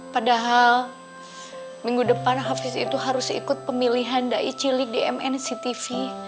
padahal minggu depan hafiz itu harus ikut pemilihan dai cilik dmn ctv